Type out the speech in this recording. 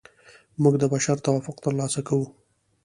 موږ د بشر توافق ترلاسه کوو.